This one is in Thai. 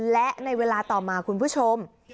และในเวลาต่อมาคุณผู้ชม